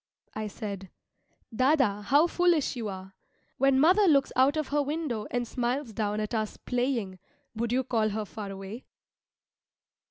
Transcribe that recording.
I said, "Dâdâ how foolish you are! When mother looks out of her window and smiles down at us playing, would you call her far away?"